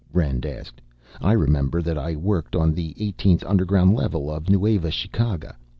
Rend asked. "I remember that I worked on the eighteenth underground level of Nueva Chicaga.